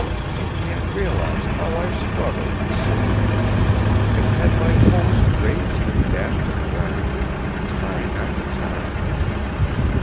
You can't realize how I've struggled and schemed and had my hopes raised and dashed to the ground ... time after time.